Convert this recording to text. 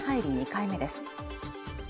２回目です